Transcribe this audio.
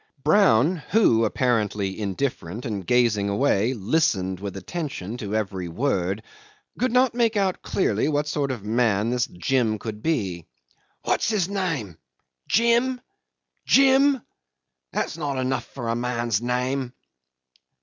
Brown, who, apparently indifferent and gazing away, listened with attention to every word, could not make out clearly what sort of man this Jim could be. "What's his name? Jim! Jim! That's not enough for a man's name."